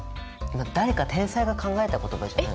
誰か天才が考えた言葉じゃないの？